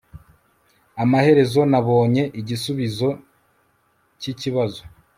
amaherezo nabonye igisubizo cyikibazo